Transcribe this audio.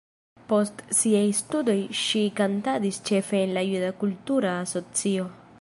Post siaj studoj ŝi kantadis ĉefe en la juda kultura asocio.